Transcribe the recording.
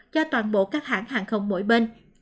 cho toàn bộ các hãng hàng không mỗi bên